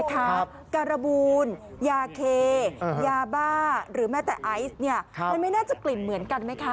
จากคุณยาเคยาบ้าหรือแม่ไต้ไอซ์นี่คือน่าจะกลิ่นเหมือนกันไม่คะ